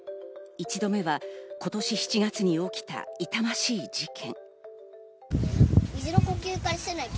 一度目は今年７月に起きた痛ましい事件。